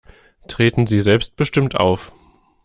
Treten Sie selbstbestimmt auf.